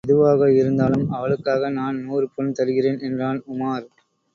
எதுவாக இருந்தாலும் அவளுக்காக நான் நூறு பொன் தருகிறேன்! என்றான் உமார்.